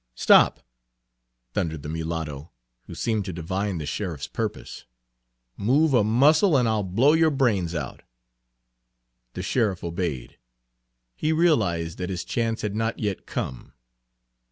"Stop!" thundered the mulatto, who seemed to divine the sheriff's purpose. "Move a muscle, and I 'll blow your brains out." The sheriff obeyed; he realized that his chance had not yet come.